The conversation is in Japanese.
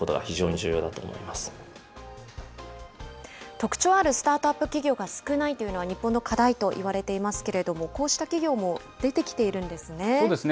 特徴あるスタートアップ企業が少ないというのは、日本の課題と言われていますけれども、こうした企業も出てきていそうですね。